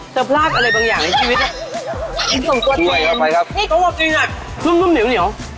จะพลาดอะไรบางอย่างในชีวิตละส่วนตัวเต็มร่วมต้มเหนียว